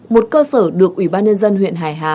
một cơ sở được ubnz huyện hải hà